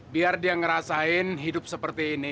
biar dia ngerasain hidup seperti ini